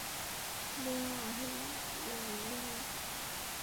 今天晚上有宴会